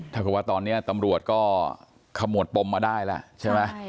ถ้าเกิดว่าตอนนี้ตำรวจก็ขมวดปมมาได้แล้วใช่ไหม